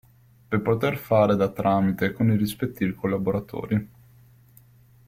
Per poter fare da tramite con i rispettivi collaboratori.